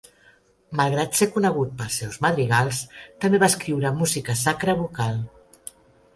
Malgrat ser conegut pels seus madrigals, també va escriure música sacra vocal.